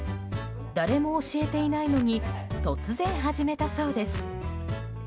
誰も教えていないのに突然、始めたそうです。